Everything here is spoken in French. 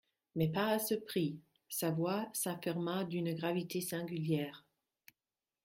Mais pas à ce prix.» Sa voix s'affirma, d'une gravité singulière.